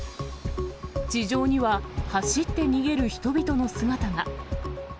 地上には走って逃げる人々の姿が。